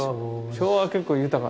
昭和は結構豊か。